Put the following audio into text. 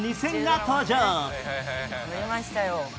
乗りましたよ。